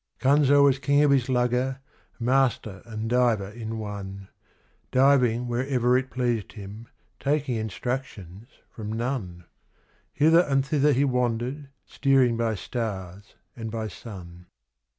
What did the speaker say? Kanzo was king of his lugger, master and diver in one, Diving wherever it pleased him, taking instructions from none; Hither and thither he wandered, steering by stars and by sun.